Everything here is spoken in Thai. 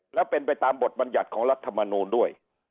แล้วเป็นไปตามบทบัญญัติของรัฐมนูลด้วย